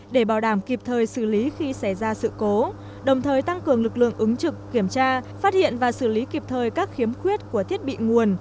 để bảo đảm kịp thời xử lý khi xảy ra sự cố đồng thời tăng cường lực lượng ứng trực kiểm tra phát hiện và xử lý kịp thời các khiếm khuyết của thiết bị nguồn